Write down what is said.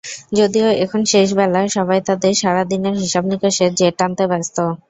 যদিও এখন শেষ বেলা, সবাই তাদের সারা দিনের হিসাব-নিকাশের জের টানতে ব্যস্ত।